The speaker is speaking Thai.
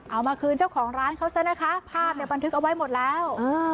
เอามาคืนเจ้าของร้านเขาซะนะคะภาพเนี่ยบันทึกเอาไว้หมดแล้ว